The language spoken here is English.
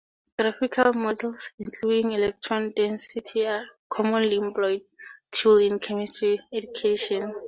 Graphical models, including electron density are a commonly employed tool in chemistry education.